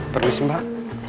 pergi sini mbak